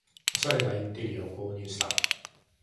おしゃれなインテリアを購入した